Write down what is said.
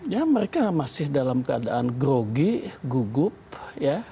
ya mereka masih dalam keadaan grogi gugup ya